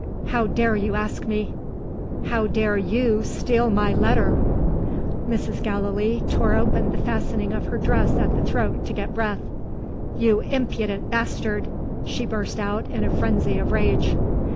"How dare you ask me?" "How dare you steal my letter?" Mrs. Gallilee tore open the fastening of her dress at the throat, to get breath. "You impudent bastard!" she burst out, in a frenzy of rage.